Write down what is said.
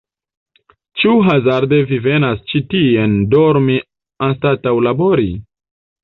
Ĉu hazarde Vi venas ĉi tien dormi anstataŭ labori?